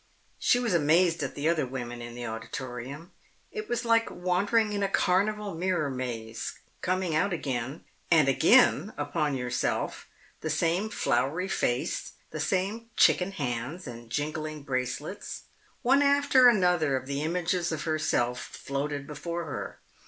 She was amazed at the other women in the auditorium. It was like wandering in a carnival mirror maze, coming again and again upon yourself the same floury face, the same chicken hands, and jingling bracelets. One after another of the images of herself floated before her.